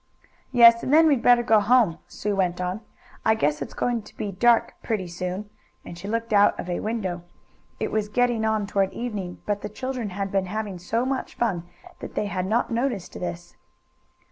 "Yes, and then we'd better go home," Sue went on. "I guess it's going to be dark pretty soon," and she looked out of a window. It was getting on toward evening, but the children had been having so much fun that they had not noticed this.